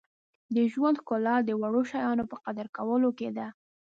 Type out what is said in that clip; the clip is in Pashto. • د ژوند ښکلا د وړو شیانو په قدر کولو کې ده.